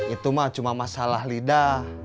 itu mah cuma masalah lidah